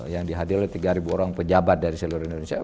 yang dihadir oleh tiga orang pejabat dari seluruh indonesia